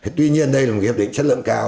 tuy nhiên đây là một hiệp định chất lượng cao